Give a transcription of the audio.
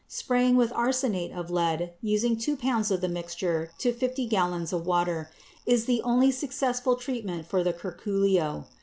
Spraying with arsenate of lead, using two pounds of the mixture to fifty gallons of water, is the only successful treatment for the curculio.